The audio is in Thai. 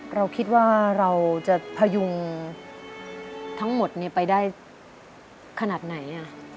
เราคิดว่าเราจะพยุงทั้งหมดไปได้ขนาดไหน